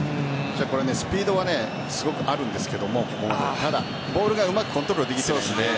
スピードがすごくあるんですけどボールがうまくコントロールできない。